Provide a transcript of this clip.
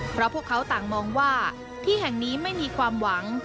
เพราะพวกเขาต่างมองว่าที่แห่งนี้ไม่มีความหวัง